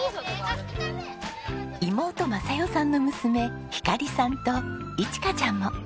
妹匡世さんの娘ひかりさんと依知佳ちゃんも。